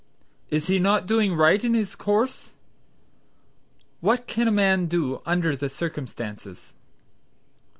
"Is he not doing right in his course?" "What can a man do under the circumstances?"